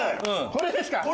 これですか？